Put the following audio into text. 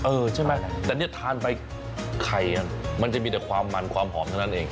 ใช่ไหมแต่เนี่ยทานไปไข่มันจะมีแต่ความมันความหอมเท่านั้นเอง